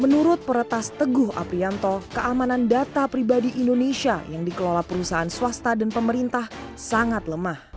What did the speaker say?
menurut peretas teguh aprianto keamanan data pribadi indonesia yang dikelola perusahaan swasta dan pemerintah sangat lemah